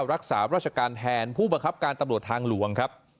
รักษาราชการแทนผู้บังคับการตำรวจทางหลวงครับ